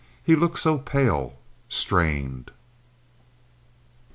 He looked so pale—strained.